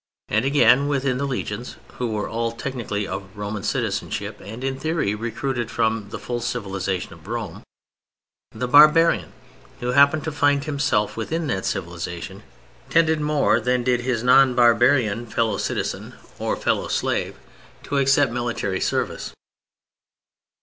And, again, within the legions (who were all technically of Roman citizenship and in theory recruited from the full civilization of Rome), the barbarian who happened to find himself within that civilization tended more than did his non barbarian fellow citizen (or fellow slave) to accept military service.